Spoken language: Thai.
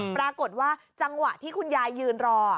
ปรากฏว่าจังหวะที่คุณยายยืนรอ